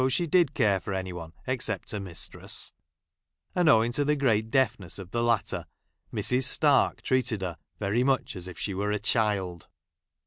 se she did care ' for any one, except her mistress ; and, owing to the great deafness of the latter, Mrs. Stark treated her very much as if she were a child.